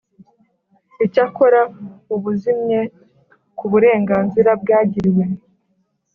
Icyakora ubuzimye ku burenganzira bwagiriwe